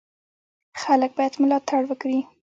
خلک باید ملاتړ وکړي.